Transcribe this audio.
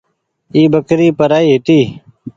اي ٻڪري پرآئي هيتي۔